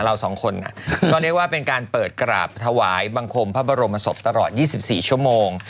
สองคนค่ะก็เรียกว่าเป็นการเปิดกราบถวายบังคมพระบรมศพตลอด๒๔ชั่วโมง